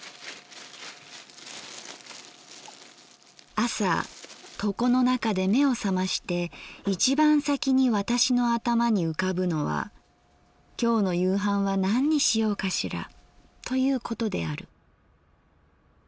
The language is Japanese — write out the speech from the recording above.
「あさ床の中で眼をさまして一番さきに私の頭に浮かぶのは今日の夕飯は何にしようかしらということである。